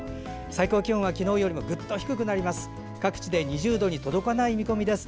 最高気温は昨日よりもぐっと低くなります。